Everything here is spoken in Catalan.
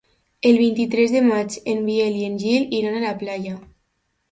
El vint-i-tres de maig en Biel i en Gil iran a la platja.